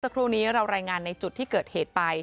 ครูนี้เรารายงานในจุดที่เกิดเหตุไป